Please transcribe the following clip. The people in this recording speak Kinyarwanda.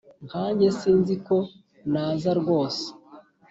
nkange sinzi ko naza rwose,